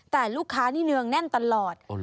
แต่ลูกค้านี่เนืองแน่นตลอด